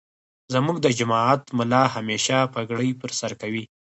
زمونږ دجماعت ملا همیشه پګړی پرسرکوی.